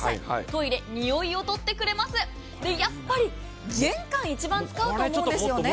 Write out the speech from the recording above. トイレ、臭いを取ってくれます、やっぱり玄関一番使うと思うんです。